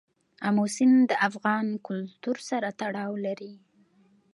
آمو سیند د افغان کلتور سره تړاو لري.